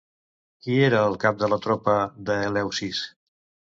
Qui era el cap de la tropa d'Eleusis?